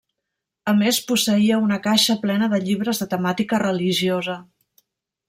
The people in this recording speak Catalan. A més posseïa una caixa plena de llibres de temàtica religiosa.